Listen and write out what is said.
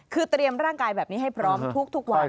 คือเตรียมร่างกายแบบนี้ให้พร้อมทุกวัน